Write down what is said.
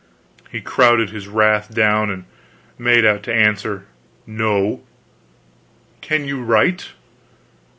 He crowded his wrath down and made out to answer "No." "Can you write?"